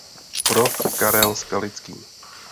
Prof. Karel Skalický.